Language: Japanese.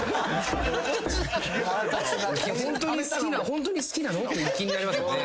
ホントに好きなの？って気になりますよね。